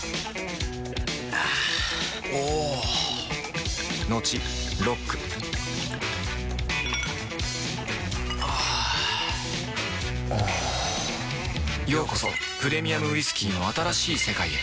あぁおぉトクトクあぁおぉようこそプレミアムウイスキーの新しい世界へ